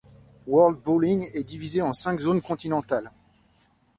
World Bowling est divisé en cinq zones continentales.